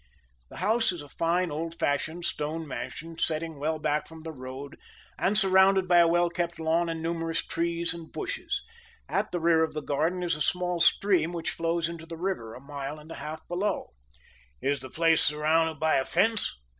"The house is a fine, old fashioned stone mansion, setting well back from the road, and surrounded by a well kept lawn and numerous trees and bushes. At the rear of the garden is a small stream, which flows into the river a mile and a half below." "Is the place surrounded by a fence?"